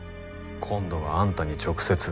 今度はあんたに直接。